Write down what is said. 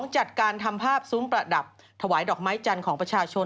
จัดการทำภาพซุ้มประดับถวายดอกไม้จันทร์ของประชาชน